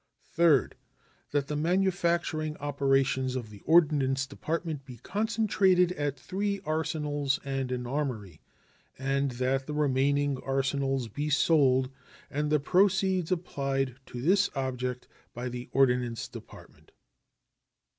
Third. That the manufacturing operations of the Ordnance Department be concentrated at three arsenals and an armory, and that the remaining arsenals be sold and the proceeds applied to this object by the Ordnance Department.